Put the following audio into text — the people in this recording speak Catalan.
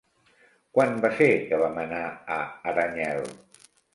Quan va ser que vam anar a Aranyel?